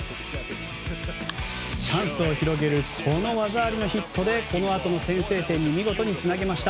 チャンスを広げるこの技ありのヒットでこのあとの先制点に見事につなげました。